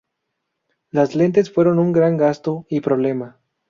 Las lentes fueron un gran gasto y problema.